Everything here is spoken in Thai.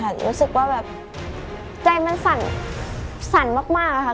รู้สึกว่าแบบใจมันสั่นมากค่ะ